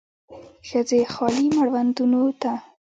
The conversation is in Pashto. ښځې خالي مړوندونو ته